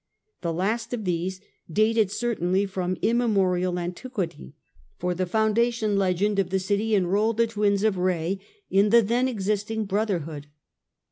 The last of these dated certainly from immemorial antiquity, for the foundation legend of the city enrolled the twins of Rhea in the then existing bro such as therhood.